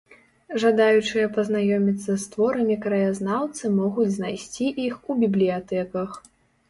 Жадаючыя пазнаёміцца з творамі краязнаўцы могуць знайсці іх у бібліятэках.